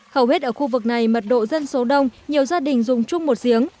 hầu hết ở khu vực này mật độ dân số đông nhiều gia đình dùng chung một giếng